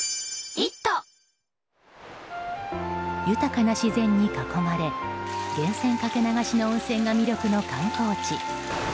豊かな自然に囲まれ源泉かけ流しの温泉が魅力の観光地